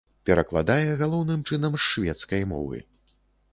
Перакладае галоўным чынам з шведскай мовы.